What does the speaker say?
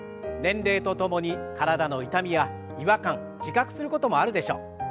年齢とともに体の痛みや違和感自覚することもあるでしょう。